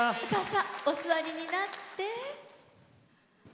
お座りになって。